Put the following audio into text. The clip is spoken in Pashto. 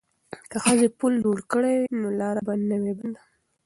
که ښځې پل جوړ کړي نو لاره به نه وي بنده.